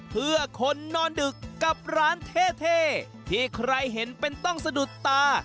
เพื่อคนนอนดึกกับร้านเท่ที่ใครเห็นเป็นต้องสะดุดตา